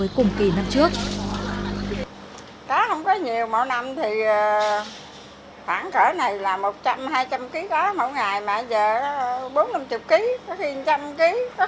cá không có nhiều mỗi năm thì khoảng cỡ này là một trăm linh hai trăm linh kg có mỗi ngày mà giờ bốn mươi năm mươi kg có khi một trăm linh kg có khi không có nữa